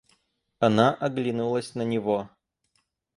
Она оглянулась на него.